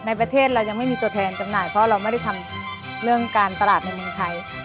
ในประเทศเรายังไม่มีตัวแทนจำหน่ายเพราะเราไม่ได้ทำเรื่องการตลาดในเมืองไทย